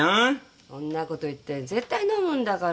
そんなこと言って絶対飲むんだから。